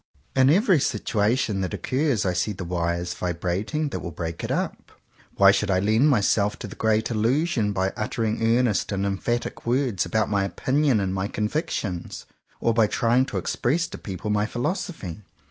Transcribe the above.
In every situation that occurs I see the wires vibrating that will break it up. Why should I lend myself to the great Illusion by uttering earnest and emphatic words about my opinions and my convictions, or by trying to express to people my philos ophy?